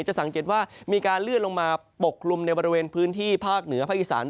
จะสังเกตว่ามีการเลื่อนลงมาปกคลุมในบริเวณพื้นที่ภาคเหนือภาคอีสาน